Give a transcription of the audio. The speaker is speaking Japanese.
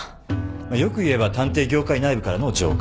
まあよく言えば探偵業界内部からの浄化。